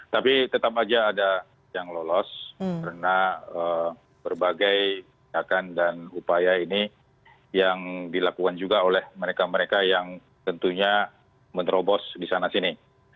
tapi tetap saja ada yang lolos karena berbagai kebijakan dan upaya ini yang dilakukan juga oleh mereka mereka yang tentunya menerobos di sana sini